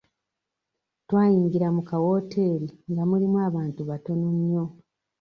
Twayingira mu kawooteeri nga mulimu abantu batono nnyo.